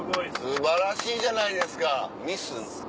素晴らしいじゃないですか。